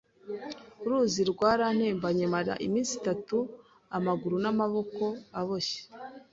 Uruzi rwarantembanye mara iminsi itatu amaguru n’amaboko aboshye